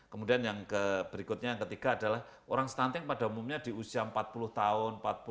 kemudian yang berikutnya yang ketiga adalah orang stunting pada umumnya di usia empat puluh tahun